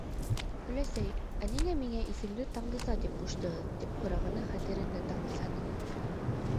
Өләсәй, ә ниңә миңә исемде Таңдыса тип ҡуштығыҙ? - тип һорағаны хәтерендә Тандысаның.